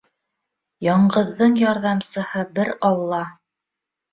Яңғыҙҙың ярҙамсыһы бер Алла.